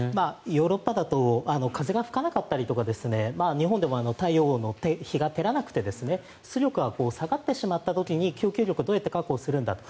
ヨーロッパだと風が吹かなかったりとか日本でも太陽の日が照らなくて出力が下がった時に供給力をどうやって確保するのかと。